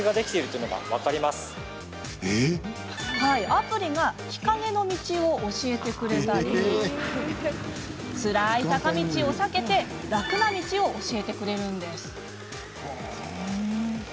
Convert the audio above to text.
アプリが日陰の道を教えてくれたりつらい坂道を避けて楽な道を教えてくれるんです。